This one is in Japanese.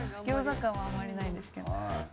餃子感はあんまりないですけど。